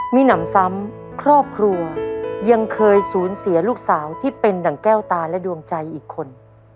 มีหนำซ้ำครอบครัวยังเคยสูญเสียลูกสาวที่เป็นดั่งแก้วตาและดวงใจอีกคน